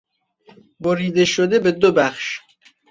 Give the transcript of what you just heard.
بریده شده به دو بخش